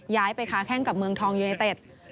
ย้ายไปค้าแข้งกับเมืองทองยูเนเต็ด